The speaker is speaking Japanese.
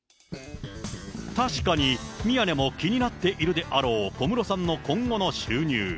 確かに、宮根も気になっているであろう、小室さんの今後の収入。